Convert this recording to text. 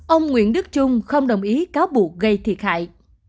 ông nguyễn đức trung không đồng ý cáo buộc gây thiệt hại